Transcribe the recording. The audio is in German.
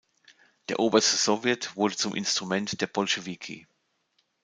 Der oberste Sowjet wurde zum Instrument der Bolschewiki.